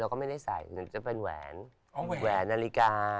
เราก็ไม่ได้ใส่จะเป็นแหวนนานนาฬิกา